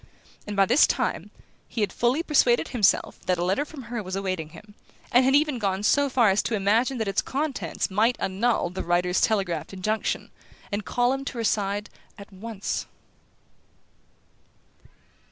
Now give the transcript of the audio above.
And by this time he had fully persuaded himself that a letter from her was awaiting him, and had even gone so far as to imagine that its contents might annul the writer's telegraphed injunction, and call him to her side at once...